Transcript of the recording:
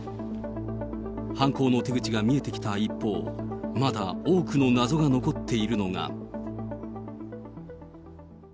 犯行の手口が見えてきた一方、まだ多くの謎が残っているのが。